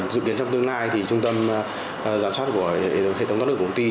dự kiến trong tương lai trung tâm giám sát của hệ thống thoát nước của công ty